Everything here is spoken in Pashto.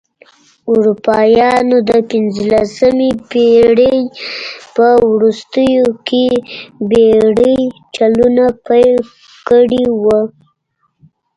اروپایانو د پنځلسمې پېړۍ په وروستیو کې بېړۍ چلونه پیل کړې وه.